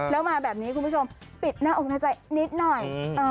แล้วมาแบบนี้คุณผู้ชมปิดหน้าอกหน้าใจนิดหน่อย